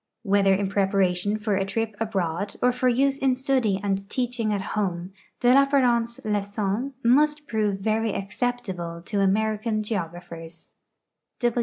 Whether in [)reparation for a tri|> abroad or for use in study and teach ing at home, de Lapjiarent's Lxcom must prove very acceptable to Ameri can geographers.